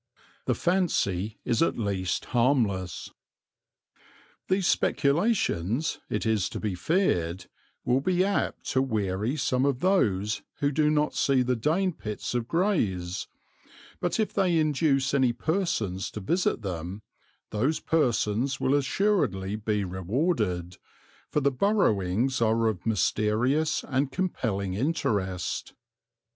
The fancy is at least harmless. These speculations, it is to be feared, will be apt to weary some of those who do not see the Dane pits of Grays, but if they induce any persons to visit them, those persons will assuredly be rewarded, for the burrowings are of mysterious and compelling interest.